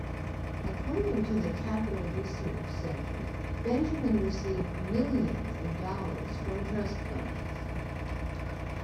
According to the Capital Research Center, Benjamin received millions of dollars from trust funds.